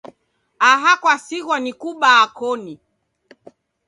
Aha kwasighwa ni kubaa koni.